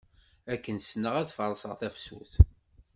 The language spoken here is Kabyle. Akken sneɣ ad farṣeɣ tafsut.